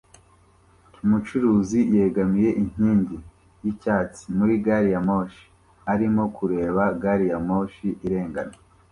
Umucuruzi yegamiye inkingi yicyatsi muri gari ya moshi arimo kureba gari ya moshi irengana